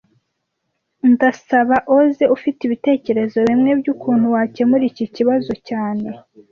Ndasabaose ufite ibitekerezo bimwe byukuntu wakemura iki kibazo cyane